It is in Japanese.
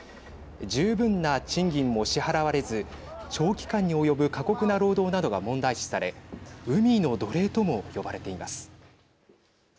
十分な賃金も支払われず長期間に及ぶ過酷な労働などが問題視され海の奴隷とも呼ばれています。